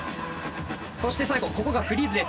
そして最後ここがフリーズです。